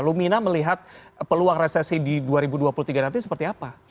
lumina melihat peluang resesi di dua ribu dua puluh tiga nanti seperti apa